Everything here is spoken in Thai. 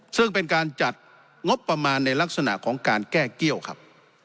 ซึ่งเป็นการจัดงบประมาณในลักษณะของการแก้เกี้ยวครับ